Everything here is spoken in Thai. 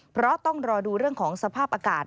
เพราะต้องรอดูเรื่องของสภาพอากาศ